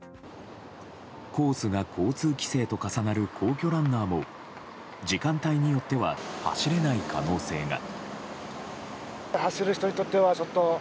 コースが交通規制と重なる皇居ランナーも時間帯によっては走れない可能性が。